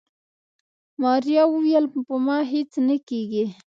ماريا وويل په ما هيڅ نه کيږي.